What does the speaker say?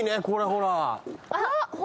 これほらっ！